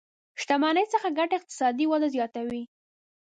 شتمنۍ څخه ګټه اقتصادي ودې زياته وي.